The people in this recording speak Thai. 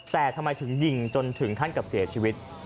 แต่ทำไมถึงยิงจนถึงขั้นกับเสียชีวิต